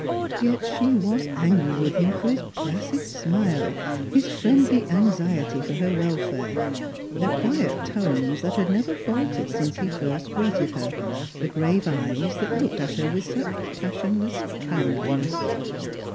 Yet she was angry with him for his placid smile, his friendly anxiety for her welfare, the quiet tones that had never faltered since he first erected her, the grave eyes that looked at her with such passion less kindliness.